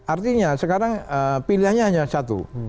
artinya sekarang pilihannya hanya satu